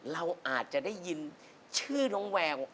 เราอาจจะได้ยินชื่อน้องแวว